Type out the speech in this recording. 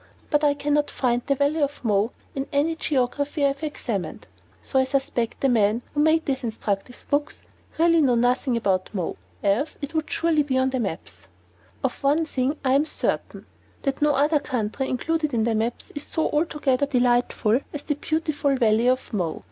But I can not find the Valley of Mo in any geography I have examined; so I suspect the men who made these instructive books really know nothing about Mo, else it would surely be on the maps. Of one thing I am certain: that no other country included in the maps is so altogether delightful as the Beautiful Valley of Mo.